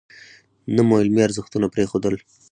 نه مو علمي ارزښتونه پرېښودل.